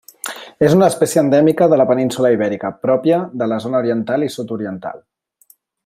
És una espècie endèmica de la península Ibèrica pròpia de la zona oriental i sud-oriental.